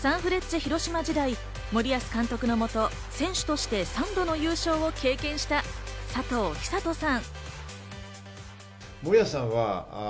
広島時代、森保監督のもと、選手として３度の優勝を経験した佐藤寿人さん。